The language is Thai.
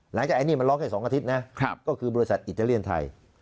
หลังจากไอ้นี่มันรอแค่สองอาทิตย์นะครับก็คือบริษัทอิตาเลียนไทย